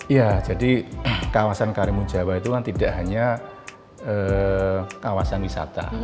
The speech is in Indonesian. ya jadi kawasan karimun jawa itu kan tidak hanya kawasan wisata